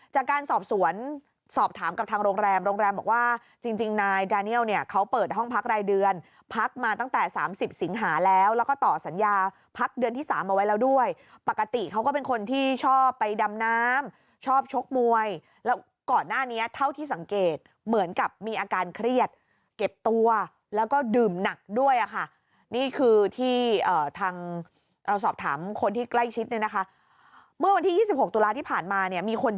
จากการสอบสวนสอบถามกับทางโรงแรมโรงแรมบอกว่าจริงนายแดเนียลเนี่ยเขาเปิดห้องพักรายเดือนพักมาตั้งแต่๓๐สิงหาแล้วแล้วก็ต่อสัญญาพักเดือนที่๓เอาไว้แล้วด้วยปกติเขาก็เป็นคนที่ชอบไปดำน้ำชอบชกมวยแล้วก่อนหน้านี้เท่าที่สังเกตเหมือนกับมีอาการเครียดเก็บตัวแล้วก็ดื่มหนักด้วยค่ะนี่คือที่ทางเราสอบถามคนที่ใกล้ชิดเนี่ยนะคะเมื่อวันที่๒๖ตุลาที่ผ่านมาเนี่ยมีคน